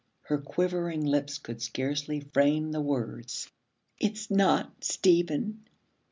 Her quivering lips could scarcely frame the words. 'It's not Stephen.